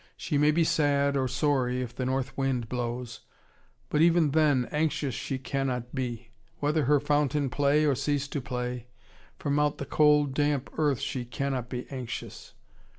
She may be sad or sorry, if the north wind blows. But even then, anxious she cannot be. Whether her fountain play or cease to play, from out the cold, damp earth, she cannot be anxious.